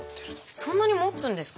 そんなにもつんですか？